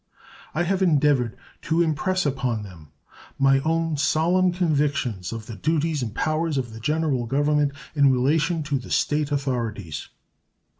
I have endeavored to impress upon them my own solemn convictions of the duties and powers of the General Government in relation to the State authorities.